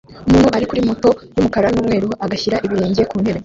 Umuntu ari kuri moto y'umukara n'umweru agashyira ibirenge ku ntebe